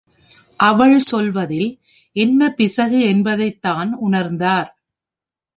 அவள் சொல்வதில் என்ன பிசகு என்பதைத்தான் உணர்ந்தார்.